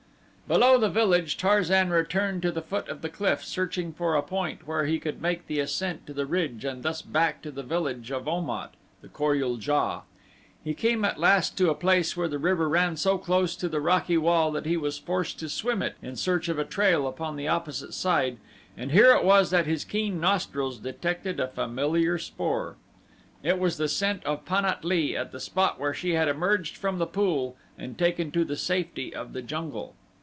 Below the village Tarzan returned to the foot of the cliff searching for a point where he could make the ascent to the ridge and thus back to the village of Om at, the Kor ul JA. He came at last to a place where the river ran so close to the rocky wall that he was forced to swim it in search of a trail upon the opposite side and here it was that his keen nostrils detected a familiar spoor. It was the scent of Pan at lee at the spot where she had emerged from the pool and taken to the safety of the jungle.